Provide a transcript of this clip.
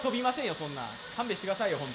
そんな、勘弁してくださいよ。